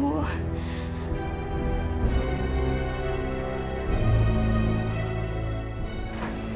ya ampun bu